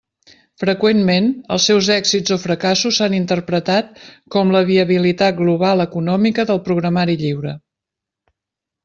Freqüentment, els seus èxits o fracassos s'han interpretat com la viabilitat global econòmica del programari lliure.